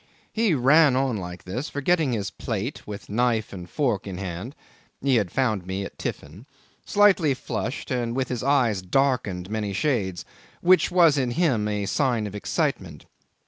... 'He ran on like this, forgetting his plate, with a knife and fork in hand (he had found me at tiffin), slightly flushed, and with his eyes darkened many shades, which was with him a sign of excitement.